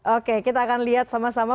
oke kita akan lihat sama sama